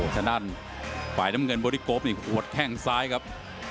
ฉะนั้นฝ่ายน้ำเงินบอดี้โก๊ครูอดแข้งซ้ายครับ